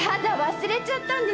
忘れちゃったんですか？